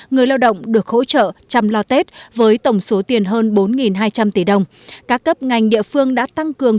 người lao động được hỗ trợ chăm lo tết với tổng số tiền hơn bốn hai trăm linh tỷ đồng các cấp ngành địa phương đã tăng cường